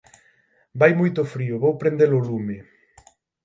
Vai moito frío; vou prender o lume